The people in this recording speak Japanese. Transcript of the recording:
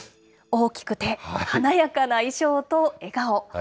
大きくて華やかな衣装と笑顔。